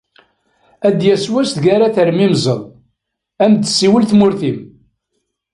Ad d-yas wass deg ara termimzeḍ, ad am-d-tessiwel tmurt-im.